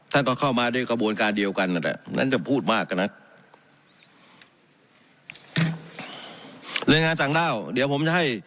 ท่านก็เข้ามาด้วยกระบวนการเดียวกันนั่นแหละนั้นจะพูดมากกันนะ